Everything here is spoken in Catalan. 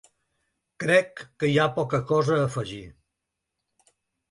Crec que hi ha poca cosa a afegir.